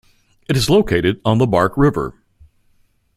It is located on the Bark River.